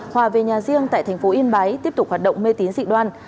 hòa về nhà riêng tại thành phố yên bái tiếp tục hoạt động mê tín dị đoan